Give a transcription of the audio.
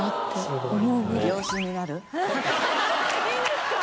いいんですか？